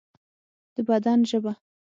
د بدن ژبه